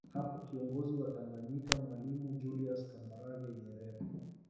Hapo kiongozi wa Tanganyika Mwalimu Julius Kambarage Nyerere